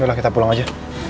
yaudah kita pulang aja